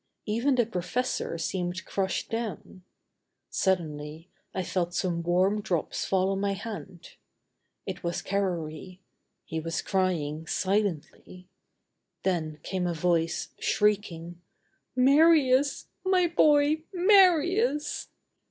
Even the professor seemed crushed down. Suddenly, I felt some warm drops fall on my hand. It was Carrory.... He was crying, silently. Then came a voice, shrieking: "Marius! my boy, Marius!"